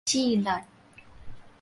止力